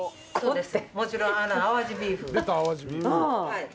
そうです。